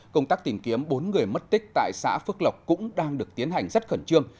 công tác tìm kiếm bốn người mất tích tại xã phước lộc cũng đang được tiến hành rất khẩn trương